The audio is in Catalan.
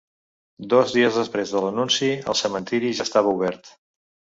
Dos dies després de l’anunci, el cementiri ja estava obert.